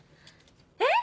えっ！